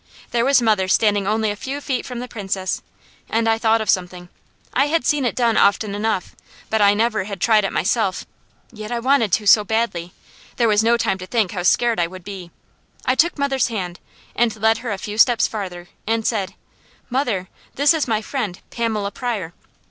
There was mother standing only a few feet from the Princess, and I thought of something. I had seen it done often enough, but I never had tried it myself, yet I wanted to so badly, there was no time to think how scared I would be. I took mother's hand and led her a few steps farther and said: "Mother, this is my friend, Pamela Pryor."